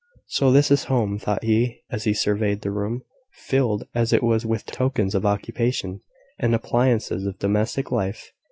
"So this is home!" thought he, as he surveyed the room, filled as it was with tokens of occupation, and appliances of domestic life.